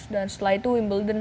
dan setelah itu wimbledon